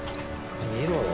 見ろよ